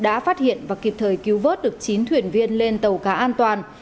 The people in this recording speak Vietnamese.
đã phát hiện và kịp thời cứu vớt được chín thuyền viên lên tàu cá an toàn